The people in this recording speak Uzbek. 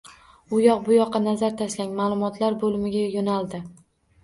U yoq bu yoqqa nazar tashlab, ma`lumotlar bo`limiga yo`naldi